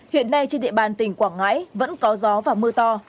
hiện nay trên địa bàn tỉnh quảng ngãi vẫn có gió và mưa to